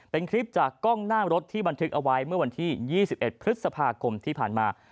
เป็นคลิปจากกล้องหน้ารถที่บันทึกเอาไว้เมื่อวันที่๒๑พฤษภาคมที่ผ่านมา